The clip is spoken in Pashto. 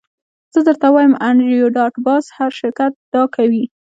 زه درته وایم انډریو ډاټ باس هر شرکت دا کوي